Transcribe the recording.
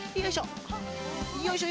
よいしょ！